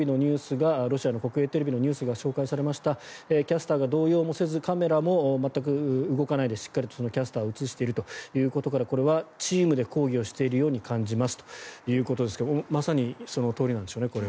ロシアの国営テレビのニュースが紹介されましたキャスターが動揺もせずカメラも全く動かないでしっかりとキャスターを映しているということからこれはチームで抗議をしているように感じますということですがまさにそのとおりなんでしょうね。